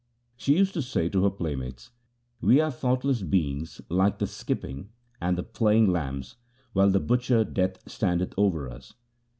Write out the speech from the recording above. She used to say to her playmates, ' We are thoughtless beings like the skipping and playing lambs while the butcher Death standeth over us.'